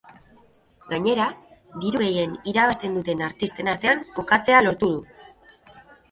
Gainera, diru gehien irabazten duten artisten artean kokatzea lortu du.